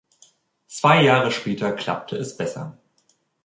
Zwei Jahre später klappte es besser.